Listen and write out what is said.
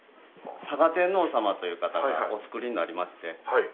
嵯峨天皇さまという方がお造りになりまして。